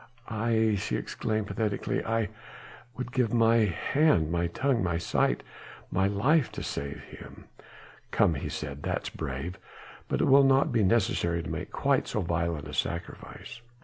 "I?" she exclaimed pathetically, "I would give my hand ... my tongue ... my sight ... my life to save him." "Come!" he said, "that's brave! but it will not be necessary to make quite so violent a sacrifice.